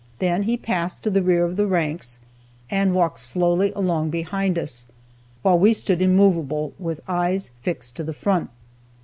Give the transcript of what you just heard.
Then he passed to the rear of the ranks, and walked slowly along behind us, while we stood immovable, with eyes fixed to the front.